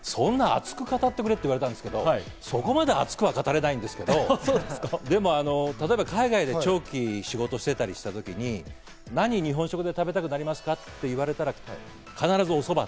熱く語ってくれって言われたんですけど、そこまで熱くは語れないんですけど、でも海外で長期仕事をしていたりした時に何を日本食で食べたくなりますか？と言われたら、必ずおそば。